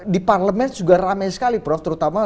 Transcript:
di parlemen juga ramai sekali prof terutama